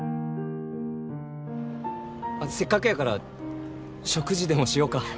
せっかくやから食事でもしようか。